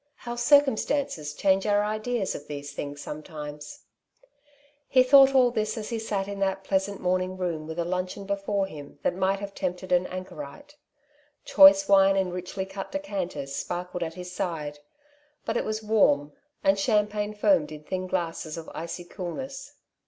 How circumstances change our ideas of these things sometimes ! He thought all this as he sat in that pleasant morning room with a luncheon before him that might have tempted an anchorite. Choice wine in richly cut decanters sparkled at his side ; but it was warm, and champagne foamed in thin glasses of icy coolness.